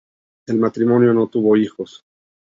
El matrimonio no tuvo hijos.